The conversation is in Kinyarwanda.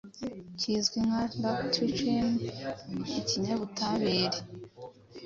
kizwi nka lactucin kinyabutabire